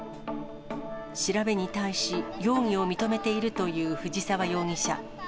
調べに対し、容疑を認めているという藤沢容疑者。